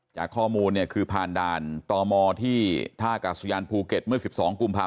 จากข้อมูลเนี่ยคือผ่านด่านตมที่ท่ากาศยานภูเก็ตเมื่อ๑๒กุมภาพ